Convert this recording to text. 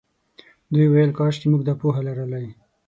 دوی ویل کاشکې موږ دا پوهه لرلای.